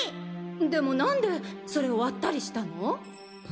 でもなんでそれを割ったりしたの？